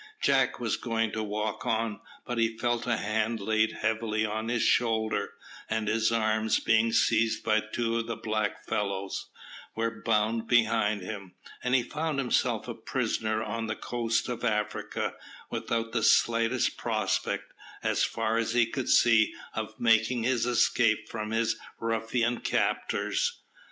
Jack was going to walk on, but he felt a hand laid heavily on his shoulder, and his arms, being seized by two of the black fellows, were bound behind him, and he found himself a prisoner on the coast of Africa, without the slightest prospect, as far as he could see, of making his escape from his ruffian captors.